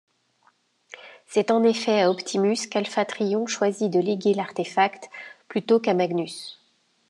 C'est en effet à Optimus qu'Alpha Trion choisit de léguer l'artefact, plutôt qu'à Magnus.